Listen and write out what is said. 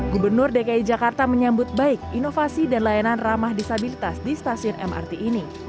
gubernur dki jakarta menyambut baik inovasi dan layanan ramah disabilitas di stasiun mrt ini